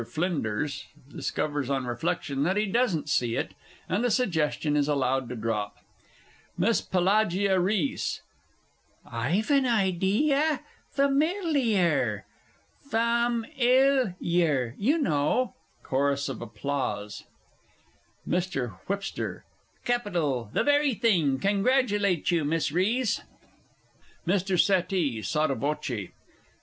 FLINDERS discovers on reflection, that he doesn't see it, and the suggestion is allowed to drop. MISS PELAGIA RHYS. I've an idea. Familiar! "Fame" "ill" "liar," you know. [Chorus of applause. MR. WH. Capital! The very thing congratulate you, Miss Rhys! MR. SETTEE (sotto voce).